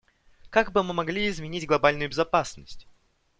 Как бы мы могли изменить глобальную безопасность?